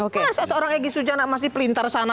masa seorang egy sujana masih pelintar sana